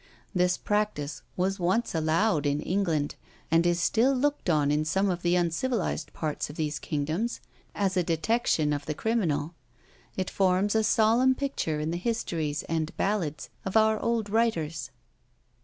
This practice was once allowed in England, and is still looked on in some of the uncivilized parts of these kingdoms as a detection of the criminal. It forms a solemn picture in the histories and ballads of our old writers.